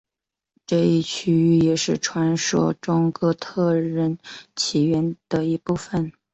这一区域也是传说中哥特人起源的一部分。